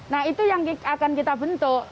nah itu yang akan kita bentuk